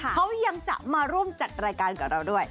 เขายังจะมาร่วมจัดรายการกับเราด้วย